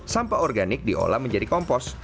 sampah organik diolah menjadi kompos